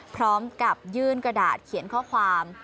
พร้อมกับยื่นกระดาษเขียนข้อความ